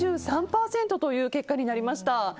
６３％という結果になりました。